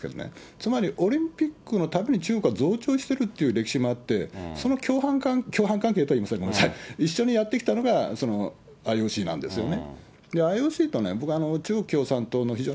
つまり、オリンピックのたびに、中国は増長してるという歴史もあって、その共犯関係、共犯関係とは言いません、すみません、一緒にやってきたのがＩＯＣなんですよね。